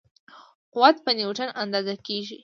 قوت په نیوټن اندازه کېږي.